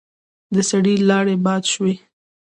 د سړي لاړې باد شوې.